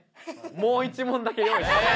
もう１問だけ用意してます。